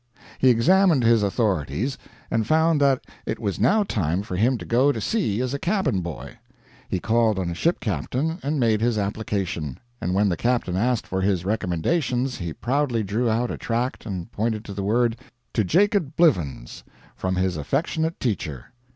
He examined his authorities, and found that it was now time for him to go to sea as a cabin boy. He called on a ship captain and made his application, and when the captain asked for his recommendations he proudly drew out a tract and pointed to the word, "To Jacob Blivens, from his affectionate teacher."